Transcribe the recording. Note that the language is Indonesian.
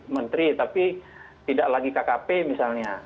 menteri tapi tidak lagi kkp misalnya